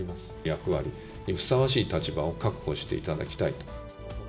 役割にふさわしい立場を確保していただきたいと。